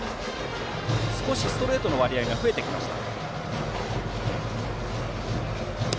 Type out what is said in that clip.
少しストレートの割合が増えてきました。